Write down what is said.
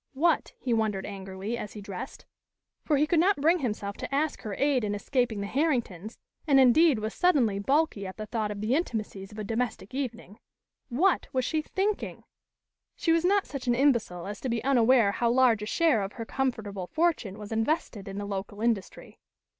What, he wondered angrily, as he dressed for he could not bring himself to ask her aid in escaping the Herringtons and, indeed, was suddenly balky at the thought of the intimacies of a domestic evening what was she thinking? She was not such an imbecile as to be unaware how large a share of her comfortable fortune was invested in the local industry.